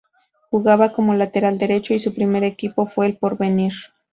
Jugaba como lateral derecho y su primer equipo fue El Porvenir.